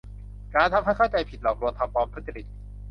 การทำให้เข้าใจผิด หลอกลวง ทำปลอม ทุจริต